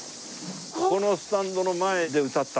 ここのスタンドの前で歌ったわけだよ。